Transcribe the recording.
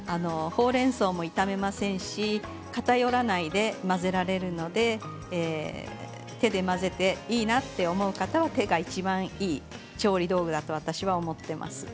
ほうれんそうも傷みませんし偏らないで混ぜられるので手で混ぜていいなと思う方は手がいちばんいい調理道具だと私は思っています。